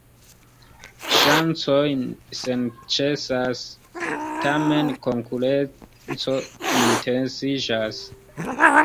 Ŝancoj senĉesas, tamen konkurenco intensiĝas.